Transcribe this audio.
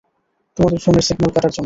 তোমাদের ফোনের সিগন্যাল কাটার জন্য।